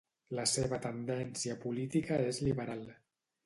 La seva tendència política és liberal.